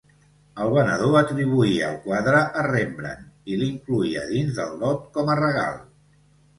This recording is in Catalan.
El venedor atribuïa el quadre a Rembrandt, i l'incloïa dins del lot com a regal.